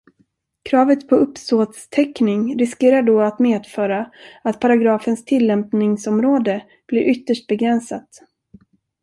Kravet på uppsåtstäckning riskerar då att medföra att paragrafens tillämpningsområde blir ytterst begränsat.